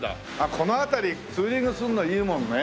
この辺りツーリングするのいいもんね。